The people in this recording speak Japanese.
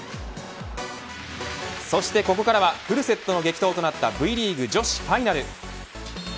そしてここからはフルセットの激闘となったＶリーグ女子ファイナル。